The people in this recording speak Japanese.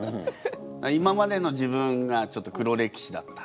今までの自分がちょっと黒歴史だった。